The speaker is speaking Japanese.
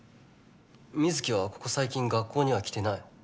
水城はここ最近学校には来てない。